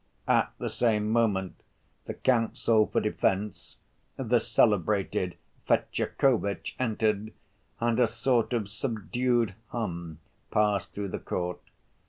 At the same moment the counsel for defense, the celebrated Fetyukovitch, entered, and a sort of subdued hum passed through the court.